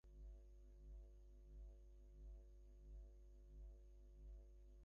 ওটার পাশে থাকা অবস্থাতেই বেজে উঠেছিল।